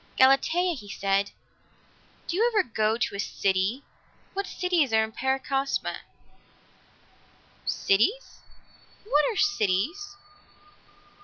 "Galatea," he said, "do you ever go to a city? What cities are in Paracosma?" "Cities? What are cities?"